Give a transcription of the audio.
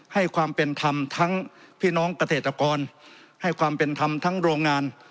ให้ความเป็นธรรมทั้งพี่น้องเกษตรกรให้ความเป็นธรรมทั้งโรงงาน